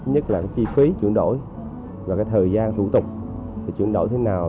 nhất là chi phí chuyển đổi và thời gian thủ tục chuyển đổi thế nào